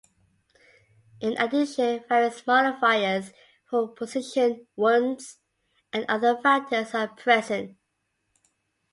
In addition various modifiers for position, wounds, and other factors are present.